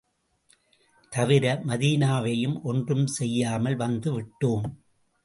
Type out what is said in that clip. தவிர, மதீனாவையும் ஒன்றும் செய்யாமல் வந்து விட்டோம்.